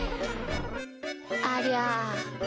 ありゃ。